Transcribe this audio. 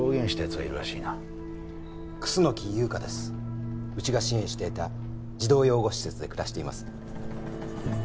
うちが支援していた児童養護施設で暮らしています。